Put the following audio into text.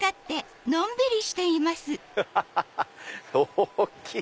ハハハハ大きい！